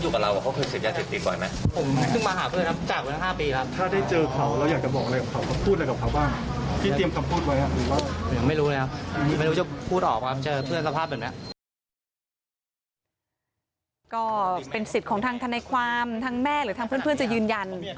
ก็เป็นสิทธิ์ของทางทนายความทางแม่หรือทางเพื่อนจะยืนยัน